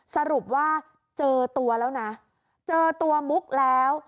สรุปว่าเจอตัวแล้วนะเจอตัวมุกแล้ว